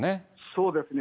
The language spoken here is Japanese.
そうですね。